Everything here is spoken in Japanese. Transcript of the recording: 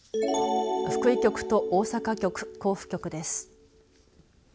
福井局と大阪局、甲府局です。